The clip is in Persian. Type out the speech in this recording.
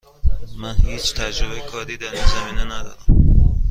من هیچ تجربه کاری در این زمینه ندارم.